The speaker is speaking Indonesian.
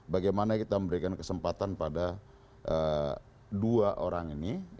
bagaimana kita memberikan kesempatan pada dua orang ini